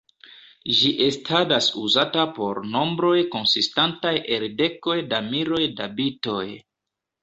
Ĝi estadas uzata por nombroj konsistantaj el dekoj da miloj da bitoj.